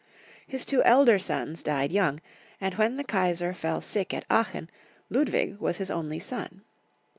His two elder sons died young, and when the Kaisar fell sick at Aachen, Ludwig was his only son.